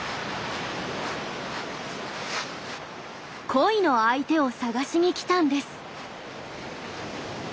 恋の相手を探しにきたんです。